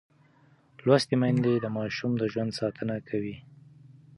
لوستې میندې د ماشوم د ژوند ساتنه کوي.